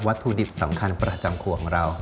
ถุดิบสำคัญประจำครัวของเรา